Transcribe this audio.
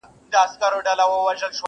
کلي ورو ورو بدلېږي ډېر,